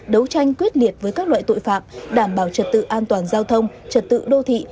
đấu tranh quyết liệt với các loại tội phạm đảm bảo trật tự an toàn giao thông trật tự đô thị